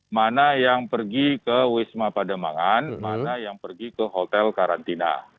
mana yang pergi ke wisma pademangan mana yang pergi ke hotel karantina